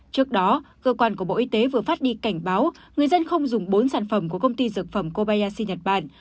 trước đó cơ quan của bộ y tế vừa phát đi cảnh báo người dân không dùng bốn sản phẩm của công ty dược phẩm kobayashi nhật bản